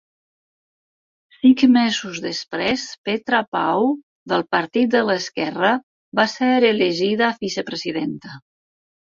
Cinc mesos després, Petra Pau, del partit de l'esquerra, va ser elegida vice-presidenta.